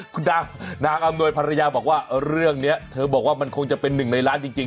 คุณนางอำนวยภรรยาบอกว่าเรื่องนี้เธอบอกว่ามันคงจะเป็นหนึ่งในล้านจริง